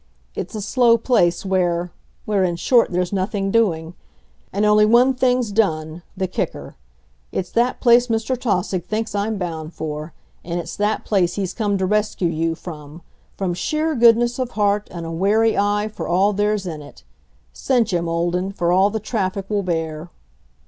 It's a slow place where where, in short, there's nothing doing. And only one thing's done the kicker. It's that place Mr. Tausig thinks I'm bound for. And it's that place he's come to rescue you from, from sheer goodness of heart and a wary eye for all there's in it. Cinch him, Olden, for all the traffic will bear!"